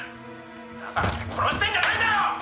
「だからって殺してんじゃないんだよ！」